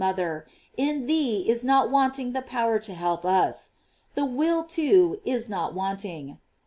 mother, in thee is not wanting the power to help us. The will, too, is not wanting.